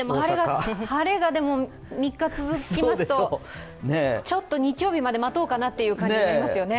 晴れがでも、３日続きますと、ちょっと日曜日まで待とうかなという感じになりますよね。